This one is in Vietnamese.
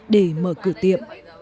để mở cửa tiệm